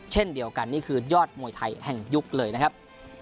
เช่นเดียวกันนี่คือยอดมวยไทยแห่งยุคเลยนะครับ